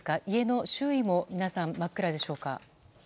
家の周囲も真っ暗でしょうか。